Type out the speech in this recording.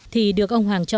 thì được ông hoàng trọng